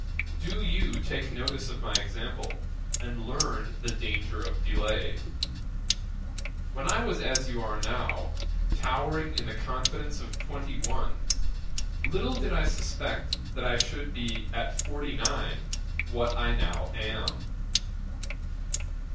Do you take notice of my example, and learn the danger of delay. When I was as you are now, towering in the confidence of twenty one, little did I suspect that I should be at forty nine, what I now am.